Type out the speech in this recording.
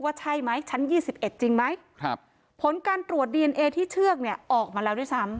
ใช่ไหมชั้น๒๑จริงไหมผลการตรวจดีเอนเอที่เชือกเนี่ยออกมาแล้วด้วยซ้ำ